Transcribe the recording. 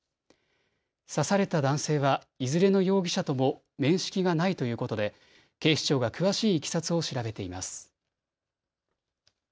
刺された男性はいずれの容疑者とも面識がないということで警視庁が詳しいいきさつを調べています。